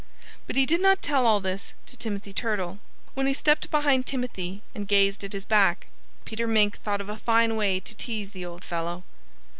But he did not tell all this to Timothy Turtle. When he stepped behind Timothy and gazed at his back, Peter Mink thought of a fine way to tease the old fellow.